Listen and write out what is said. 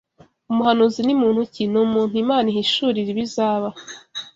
Umuhanuzi ni muntu ki Ni umuntu Imana ihishurira ibizaba